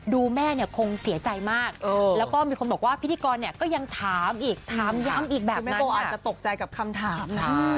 แม่เนี่ยคงเสียใจมากแล้วก็มีคนบอกว่าพิธีกรเนี่ยก็ยังถามอีกถามย้ำอีกแบบแม่โบอาจจะตกใจกับคำถามนะ